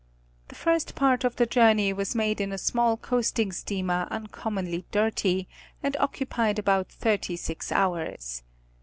The first part of the journey was made in a small coasting steamer uncommonly dirty, and occu pied about thirty six hours.